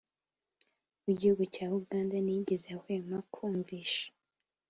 w'igihugu cya uganda ntiyigeze ahwema kumvisha